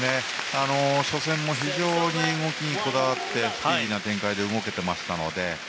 初戦も非常に動きにこだわってスピーディーな展開で動けていましたので。